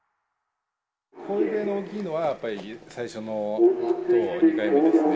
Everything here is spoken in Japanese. こんなに大きいのは、やっぱり最初のと２回目ですね。